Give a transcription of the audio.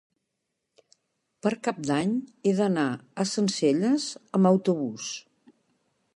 Per Cap d'Any he d'anar a Sencelles amb autobús.